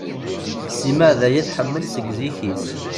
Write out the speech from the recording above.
Sima daya i tḥemmel seg zik-is.